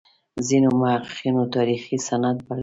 ځینو محققینو تاریخي سند بللی.